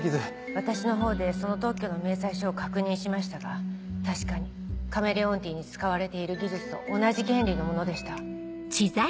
私の方でその特許の明細書を確認しましたが確かにカメレオンティーに使われている技術と同じ原理のものでした。